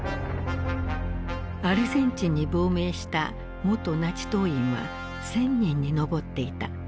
アルゼンチンに亡命した元ナチ党員は１，０００人に上っていた。